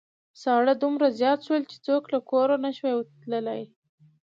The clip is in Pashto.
ساړه دومره زيات شول چې څوک له کوره نشوای تللای.